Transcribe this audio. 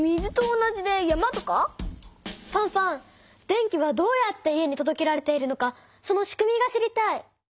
電気はどうやって家にとどけられているのかそのしくみが知りたい！